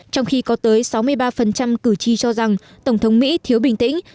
trong khi có tới sáu mươi ba cử tri cho rằng tổng thống mỹ thiếu bình tĩnh